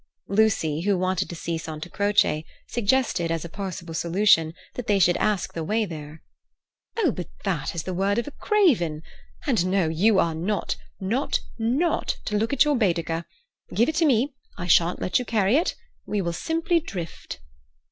Lucy, who wanted to see Santa Croce, suggested, as a possible solution, that they should ask the way there. "Oh, but that is the word of a craven! And no, you are not, not, not to look at your Baedeker. Give it to me; I shan't let you carry it. We will simply drift."